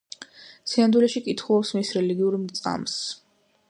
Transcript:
სინამდვილეში კითხულობს მის რელიგიურ მრწამსს.